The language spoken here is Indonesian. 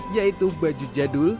yaitu baju jadul